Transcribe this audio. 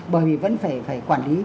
bởi vì vẫn phải quản lý